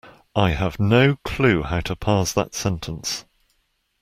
I have no clue how to parse that sentence.